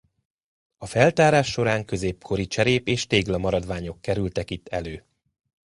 A feltárás során középkori cserép és tégla maradványok kerültek itt elő.